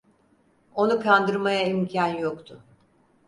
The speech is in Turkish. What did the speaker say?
Onu kandırmaya imkan yoktu.